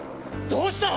どうした！？